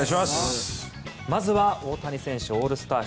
まずは大谷選手オールスター